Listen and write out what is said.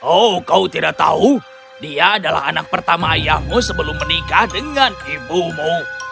oh kau tidak tahu dia adalah anak pertama ayahmu sebelum menikah dengan ibumu